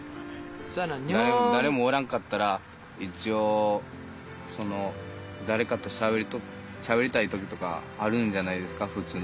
誰もおらんかったら一応誰かとしゃべりたい時とかあるんじゃないですか普通の人間は。